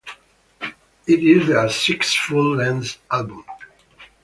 It is their sixth full-length album.